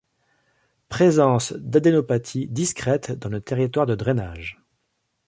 Présence d'adénopathies discrètes dans le territoire de drainage.